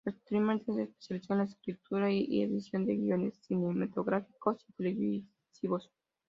Posteriormente, se especializó en la escritura y edición de guiones cinematográficos y televisivos.